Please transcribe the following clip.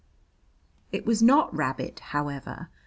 It was not rabbit, however.